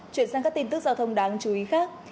chuyển sang các tin tức giao thông đáng chú ý khác